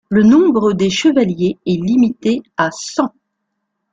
Le nombre des chevaliers est limité à cent.